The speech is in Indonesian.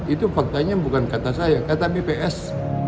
itu faktanya bukan kata saya kata bps